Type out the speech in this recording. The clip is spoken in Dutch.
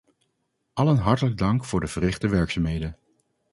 Allen hartelijk dank voor de verrichte werkzaamheden.